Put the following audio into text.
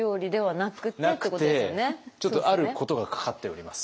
なくてちょっとあることがかかっております。